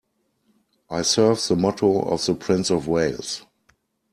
I serve the motto of the Prince of Wales.